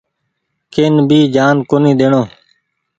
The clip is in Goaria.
ڪين ڀي جآن ڪونيٚ ۮيڻو۔